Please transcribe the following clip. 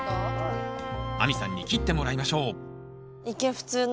亜美さんに切ってもらいましょう一見普通の。